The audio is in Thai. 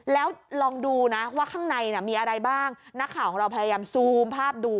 แล้วลองดูนะว่าข้างในมีอะไรบ้างนักข่าวของเราพยายามซูมภาพดู